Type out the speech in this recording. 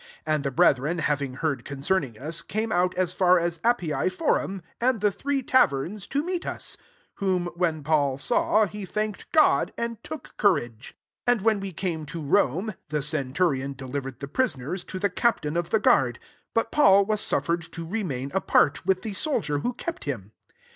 15 And the brethren hav ing heard concerning us, came out as far as Appii forum,* and the Three taverns,* to meet us : whom when Paul saw, he thanked God, and took courage. 16 And when we came to Rome [the centurion delivered the prisoners to the captain of the guard, but] Paul was suf fered to remain apart, with the soldier who kept him.